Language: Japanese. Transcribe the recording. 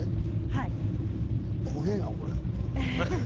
怖いな、これ。